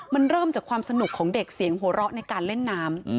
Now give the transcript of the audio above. มันเริ่มจากความสนุกของเด็กเสียงหัวเราะในการเล่นน้ำ